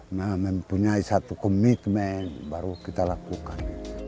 mempunyai satu komitmen baru kita lakukan